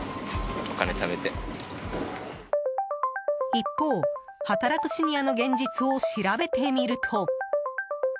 一方、働くシニアの現実を調べてみると。